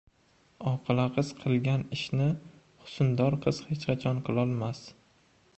Oqila qiz qilgan ishni husndor qiz hech qachon qilolmaydi.